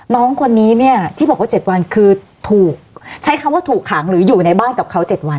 น้องคนนี้เนี่ยที่บอกว่า๗วันคือถูกใช้คำว่าถูกขังหรืออยู่ในบ้านกับเขา๗วัน